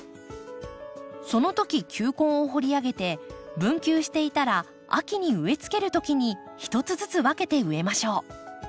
そのとき球根を掘り上げて分球していたら秋に植えつけるときに一つずつ分けて植えましょう。